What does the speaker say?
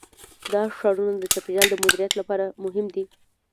دا ښارونه د چاپیریال د مدیریت لپاره مهم دي.